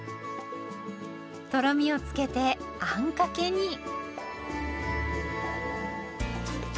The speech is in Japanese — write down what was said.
とろみをつけてあんかけに。